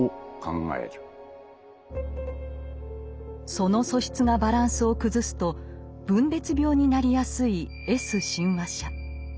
その素質がバランスを崩すと分裂病になりやすい「Ｓ親和者」。